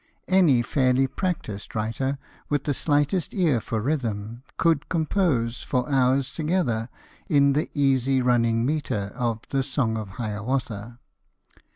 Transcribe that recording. Any fairly practised writer, with the slightest ear for rhythm, could compose, for hours together, in the easy running metre of 'The Song of Hiawatha.'